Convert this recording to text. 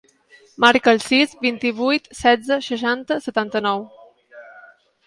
Marca el sis, vint-i-vuit, setze, seixanta, setanta-nou.